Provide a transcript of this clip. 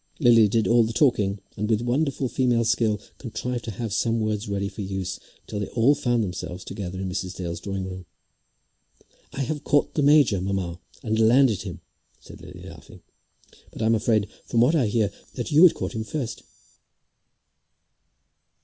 Lily did all the talking, and with wonderful female skill contrived to have some words ready for use till they all found themselves together in Mrs. Dale's drawing room. "I have caught a major, mamma, and landed him," said Lily laughing, "but I'm afraid, from what I hear, that you had caught him first."